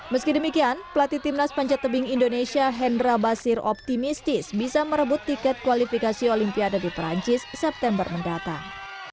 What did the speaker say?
meski demikian pelatih timnas panjat tebing indonesia hendra basir optimistis bisa merebut tiket kualifikasi olimpiade di perancis september mendatang